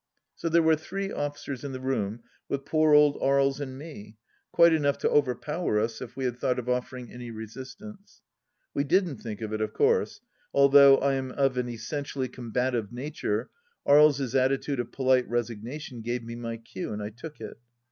So there were three oflBcers in the room with poor old Aries and me, quite enough to overpower us if we had thought of offering any resistance. We didn't think of it, of course. Although I am of an essentially combative nature, Aries' attitude of polite resignation gave me my cue, and I took it.